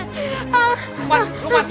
ya allah busan